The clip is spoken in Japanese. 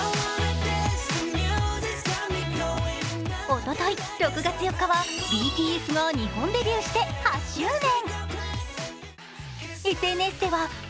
おととい、６月４日はＢＴＳが日本デビューして８周年。